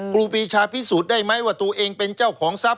ครูปีชาพิสูจน์ได้ไหมว่าตัวเองเป็นเจ้าของทรัพย